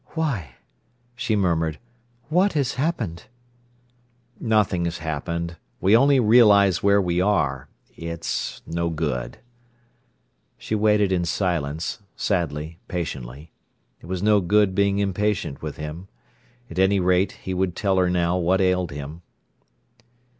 "Why!" she murmured. "What has happened?" "Nothing has happened. We only realise where we are. It's no good—" She waited in silence, sadly, patiently. It was no good being impatient with him. At any rate, he would tell her now what ailed him.